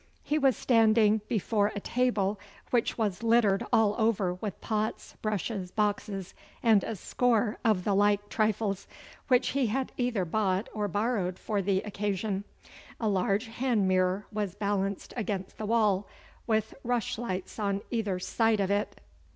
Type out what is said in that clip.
He was standing before a table which was littered all over with pots, brushes, boxes, and a score of the like trifles, which he had either bought or borrowed for the occasion. A large hand mirror was balanced against the wall, with rush lights on either side of it.